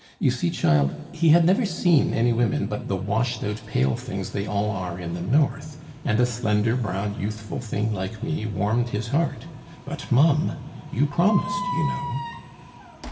"You see, child, he had never seen any women but the washed out, pale things they all are in the north, and a slender, brown, youthful thing like me warmed his heart. But, mum; you promised, you know!"